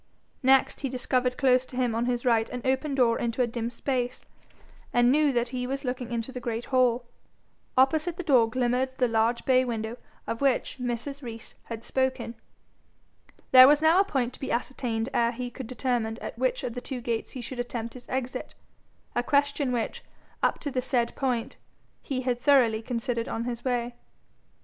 Next he discovered close to him on his right an open door into a dim space, and knew that he was looking into the great hall. Opposite the door glimmered the large bay window of which Mrs. Rees had spoken. There was now a point to be ascertained ere he could determine at which of the two gates he should attempt his exit a question which, up to the said point, he had thoroughly considered on his way.